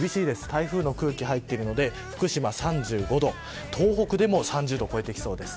台風の区域に入っているので福島３５度、東北でも３０度を超えてきそうです。